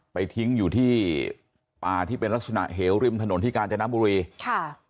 ไปทิ้งอยู่ที่ป่าที่เป็นลักษณะเหวริมถนนที่กาญจนบุรีค่ะ